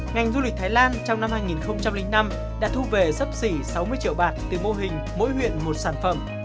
ngành du lịch thái lan trong năm hai nghìn năm đã thu về sấp xỉ sáu mươi triệu bạc từ mô hình mỗi huyện một sản phẩm